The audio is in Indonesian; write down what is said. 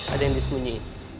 ada yang diskunyi